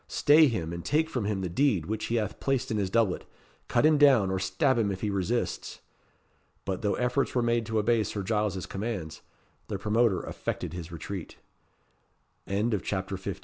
Stay him and take from him the deed which he hath placed in his doublet. Cut him down, or stab him if he resists." But, though efforts were made to obey Sir Giles's commands, the promoter effected his retreat. CHAPTER XVI.